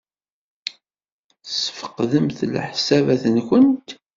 Tesfeqdemt leḥsabat-nwent?